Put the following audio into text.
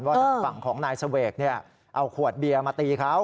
ว่าทางฝั่งของนายเซเวกเนี้ยเอาขวดเบียงมาตีเขา